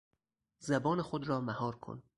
زبان خود را مهار کن!